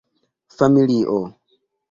Familio.